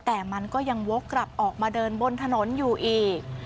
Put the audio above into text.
แต่มันก็ยังวกกลับออกมาเดินบนถนนอยู่อีก